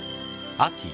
秋。